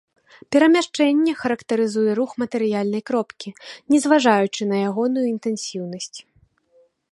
Перамяшчэнне характарызуе рух матэрыяльнай кропкі, не зважаючы на ягоную інтэнсіўнасць.